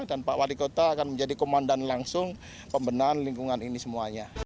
dan pak wadi kota akan menjadi komandan langsung pembendahan lingkungan ini semuanya